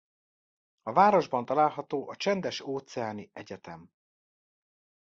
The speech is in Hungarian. A városban található a Csendes-óceáni Egyetem.